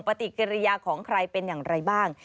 ปฏิกิริยาของใครเป็นอย่างไรบ้าง